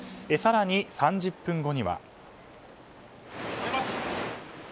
更に３０分後には。